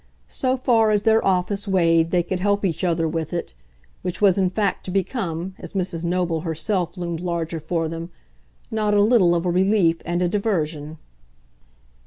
So far as their office weighed they could help each other with it which was in fact to become, as Mrs. Noble herself loomed larger for them, not a little of a relief and a diversion.